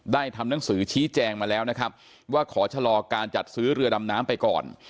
ทำหนังสือชี้แจงมาแล้วนะครับว่าขอชะลอการจัดซื้อเรือดำน้ำไปก่อน